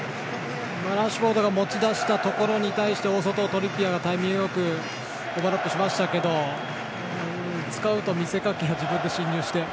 ラッシュフォードが持ち出したところで大外、トリッピアーがタイミングよくオーバーラップしましたけど使うと見せかけて自分で進入して。